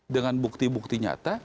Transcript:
dengan bukti bukti nyata